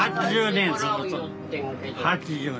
８０年。